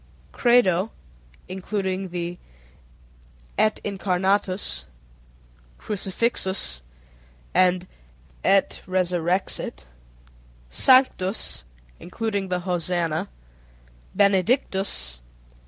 Credo (including the Et Incarnatus, Crucifixus, and Et Resurrexit). Sanctus (including the Hosanna). _Benedictus.